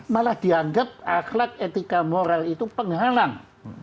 malah dianggap akhlak etika moral itu penghalang